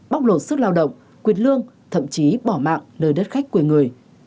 bóc lột sức lao động quyệt lương thậm chí bỏ mạng nơi đất khách quê người